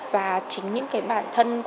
và chính những cái bản thân của mình